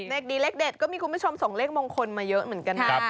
เลขดีเลขเด็ดก็มีคุณผู้ชมส่งเลขมงคลมาเยอะเหมือนกันนะ